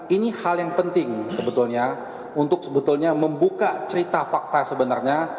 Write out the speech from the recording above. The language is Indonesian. ini hal yang penting sebetulnya untuk sebetulnya membuka cerita fakta sebenarnya